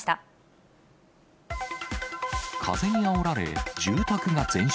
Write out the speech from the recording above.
風にあおられ、住宅が全焼。